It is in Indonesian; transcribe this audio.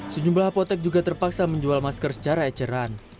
sejumlah apotek juga terpaksa menjual masker secara eceran